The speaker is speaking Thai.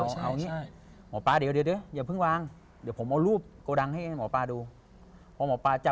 หมอป้าที่มีรายการกับช่องเรา